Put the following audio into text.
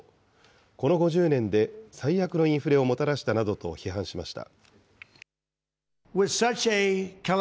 この５０年で最悪のインフレをもたらしたなどと批判しました。